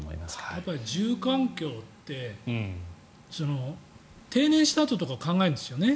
やっぱり住環境って定年したあととかを考えるんですよね。